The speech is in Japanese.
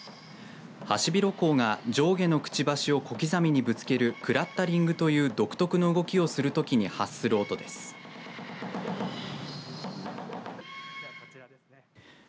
ハシビロコウが上下のくちばしを小刻みにぶつけるクラッタリングという独特の動きをするときに発する音です。